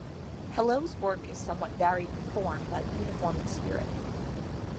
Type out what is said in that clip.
Hello's work is somewhat varied in form but uniform in spirit.